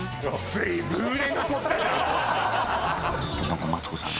随分売れ残ったな本当。